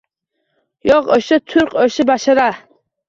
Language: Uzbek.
Yo‘q, o‘sha turq, o‘sha bashara